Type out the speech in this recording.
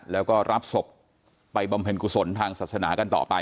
แล้วก็รับศพไปบำเพ็ญกุศลทางศาสนากันต่อไป